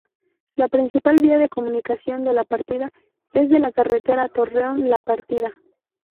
La principal vía de comunicación de La Partida es de la Carretera Torreón-La Partida.